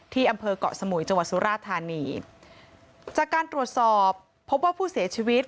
อำเภอกเกาะสมุยจังหวัดสุราธานีจากการตรวจสอบพบว่าผู้เสียชีวิต